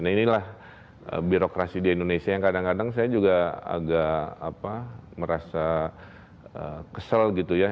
nah inilah birokrasi di indonesia yang kadang kadang saya juga agak merasa kesel gitu ya